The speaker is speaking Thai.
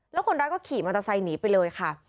แล้วคนร้ายก็ขี่มอเตอร์ไซค์หนีไปเลยค่ะ